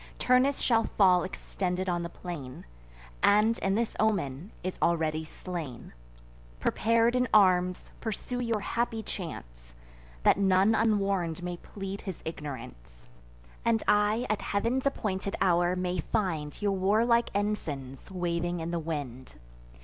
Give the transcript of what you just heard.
Turnus shall fall extended on the plain, And, in this omen, is already slain. Prepar'd in arms, pursue your happy chance; That none unwarn'd may plead his ignorance, And I, at Heav'n's appointed hour, may find Your warlike ensigns waving in the wind.